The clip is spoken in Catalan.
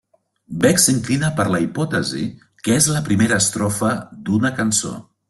Bec s'inclina per la hipòtesi que és la primera estrofa d'una cançó.